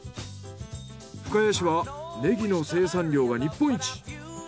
深谷市はネギの生産量が日本一。